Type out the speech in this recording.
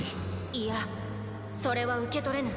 いやそれは受け取れぬ。